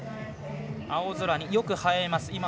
青空によく映えます。